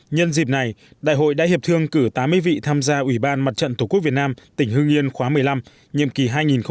nhân dịp này đại hội đã hiệp thương cử tám mươi vị tham gia ủy ban mặt trận tổ quốc việt nam tỉnh hưng yên khóa một mươi năm nhiệm kỳ hai nghìn một mươi chín hai nghìn hai mươi bốn